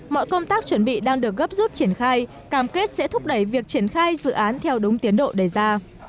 mọi công tác chuẩn bị đang được gấp rút triển khai cam kết sẽ thúc đẩy việc triển khai dự án theo đúng tiến độ đề ra